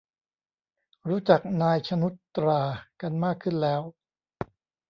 รู้จัก นาย ชนุชตรา กันมากขึ้นแล้ว